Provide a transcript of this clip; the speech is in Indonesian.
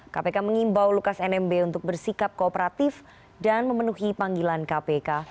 kpk mengimbau lukas nmb untuk bersikap kooperatif dan memenuhi panggilan kpk